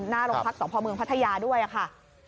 หน้าโรงพักษณ์ส่องพ่อเมืองพัทยาด้วยอ่ะค่ะ